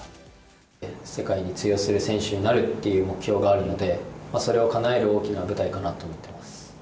世界に通用する選手になるっていう目標があるので、それをかなえる大きな舞台かなと思っています。